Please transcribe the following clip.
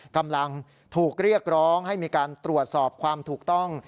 กำลังถูกเรียกร้องให้มีการตรวจสอบความถูกต้อง